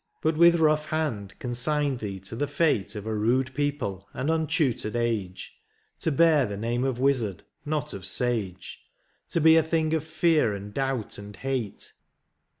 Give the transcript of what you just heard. But with rough hand consigned thee to the fate Of a rude people and untutored age. To hear the name of wizard, not of sage, To he a thing of fear, and douht, and hate.